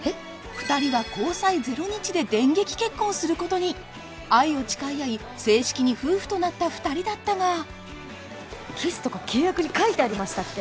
二人は交際ゼロ日で電撃結婚することに愛を誓い合い正式に夫婦となった二人だったがキスとか契約に書いてありましたっけ？